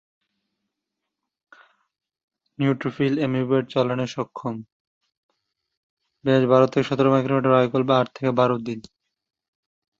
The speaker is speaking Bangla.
ফিল্ম স্টুডিও হিসেবে বৃহৎ আকৃতির এই স্টুডিওটি বিশ্বের সবচেয়ে প্রাচীনতম।